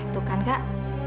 tuh kan kak